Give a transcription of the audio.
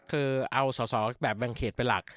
คือเอาสอสอแบบแบ่งเขตเป็นหลัก